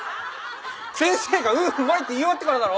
先生が「うーん。うまい」って言い終わってからだろ。